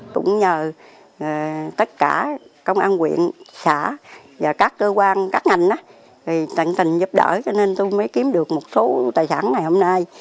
cũng nhờ tất cả công an quyện xã và các cơ quan các ngành tận tình giúp đỡ cho nên tôi mới kiếm được một số tài sản ngày hôm nay